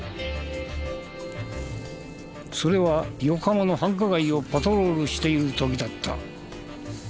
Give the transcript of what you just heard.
それは横浜の繁華街をパトロールしている時だった。